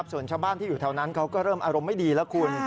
ส่วนชาวบ้านที่อยู่แถวนั้นเขาก็เริ่มอารมณ์ไม่ดีแล้วคุณ